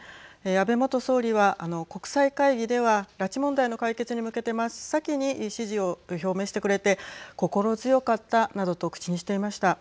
安倍元総理は国際会議では拉致問題の解決に向けて真っ先に支持を表明してくれて心強かったなどと口にしていました。